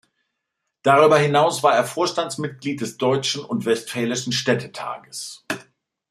Darüber hinaus war er Vorstandsmitglied des Deutschen und Westfälischen Städtetages.